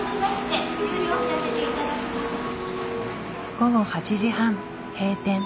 午後８時半閉店。